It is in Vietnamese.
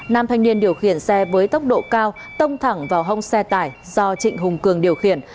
nam thanh niên điều khiển xe với tốc độ cao tông thẳng vào hông xe tải do trịnh hùng cường điều khiển